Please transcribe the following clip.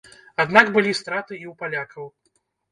Аднак былі страты і ў палякаў.